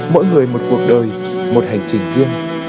mỗi người một cuộc đời một hành trình riêng